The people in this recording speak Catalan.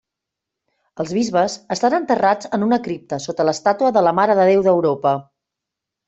Els bisbes estan enterrats en una cripta sota l'estàtua de la Mare de Déu d'Europa.